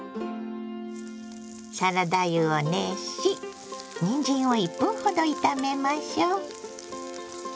サラダ油を熱しにんじんを１分ほど炒めましょ。